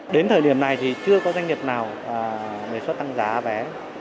đến thời điểm này thì chưa có doanh nghiệp nào đề xuất tăng giá vé